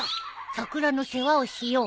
桜の世話をしよう！